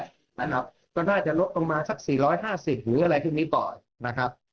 นะครับก็น่าจะลดลงมาสัก๔๕๐หรืออะไรพวกนี้ก่อนนะครับ